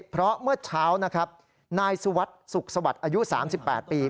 เพราะเมื่อเช้านะครับนายสุวัสดิ์สุขสวัสดิ์อายุ๓๘ปี